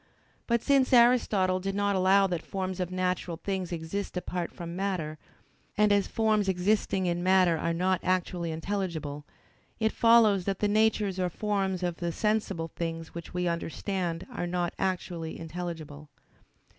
But since Aristotle did not allow that forms of natural things exist apart from matter, and as forms existing in matter are not actually intelligible; it follows that the natures or forms of the sensible things which we understand are not actually intelligible.